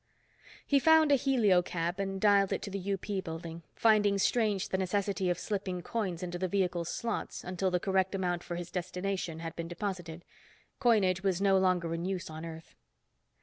He found a helio cab and dialed it to the UP building, finding strange the necessity of slipping coins into the vehicle's slots until the correct amount for his destination had been deposited. Coinage was no longer in use on Earth.